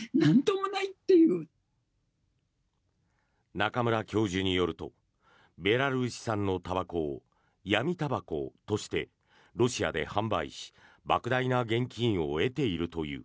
中村教授によるとベラルーシ産のたばこを闇たばことしてロシアで販売しばく大な現金を得ているという。